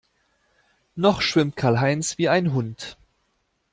Noch schwimmt Karl-Heinz wie ein Hund.